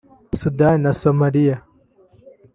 Sudani na Somalia